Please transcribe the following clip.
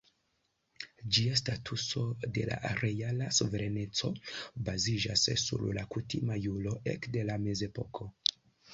Ĝia statuso de reala suvereneco baziĝas sur la kutima juro ekde la Mezepoko.